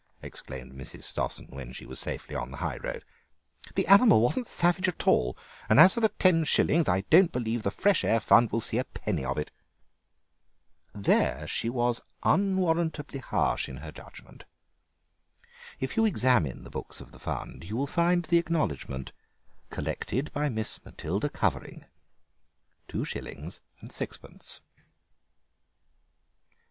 exclaimed Mrs. Stossen when she was safely on the high road. "The animal wasn't savage at all, and as for the ten shillings, I don't believe the Fresh Air Fund will see a penny of it!" There she was unwarrantably harsh in her judgment. If you examine the books of the fund you will find the acknowledgment: "Collected by Miss Matilda Cuvering, 2s. 6d."